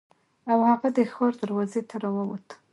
او هغه د ښار دروازې ته راووت.